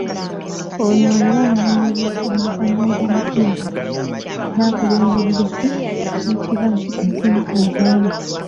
Ono era annyumirwa omuzannyo gw’omupiira era akulembeddeko ne kkiraabu ezimu mu ggwanga.